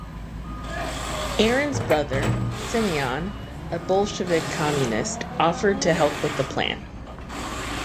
Aaron's brother, Semion, a Bolshevik communist, offered to help with the plan.